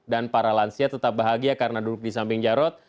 dan para lansia tetap bahagia karena duduk di samping jarod